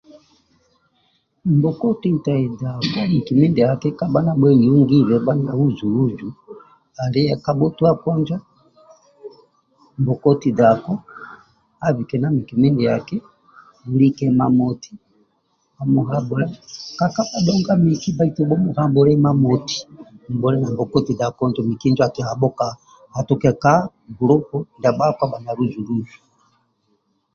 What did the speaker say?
Nbokoti ntaidako miki midiaki kabha na nabhue bha luzu luzu ali eka bhotuwako njo nbhokoti dako abhike na miki midiaki mulike mamoti kakebhe dhoko ndongi bhe miki baitu bhu habhula mamoti nesi miki njo aki habhuka atuke ka gulupu ndia bhakpa manya luzu luzu